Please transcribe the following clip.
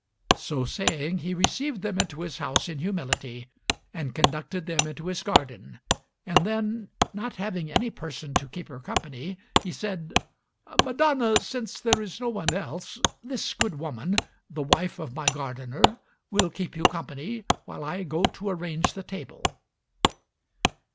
So saying, he received them into his house in humility and conducted them into his garden; and then, not having any person to keep her company he said, "Madonna, since there is no one else, this good woman, the wife of my gardener, will keep you company while I go to arrange the table."